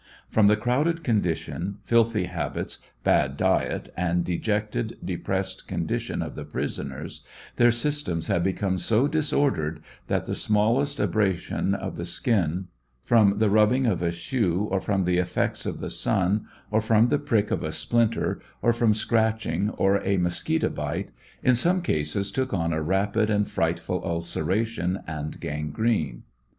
From the crowded condition, filthy habits, bad diet, and dejected, depressed condition of the prisoners, their systems had become so disordered that the smallest abration of the skin, from the rubbing of a shoe, or from the effects of the sun, or from the prick of a splinter, or from scratching, or a musquito bite, in some cases, took on a rapid and frightful ulceration and gan grene.